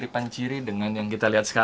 apakah ini fungsi dari sobel lynster